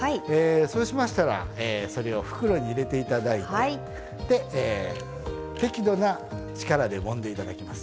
そうしましたらそれを袋に入れていただいてで適度な力でもんでいただきます。